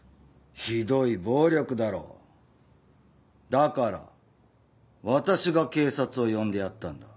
ひどい暴力だろ？だから私が警察を呼んでやったんだ。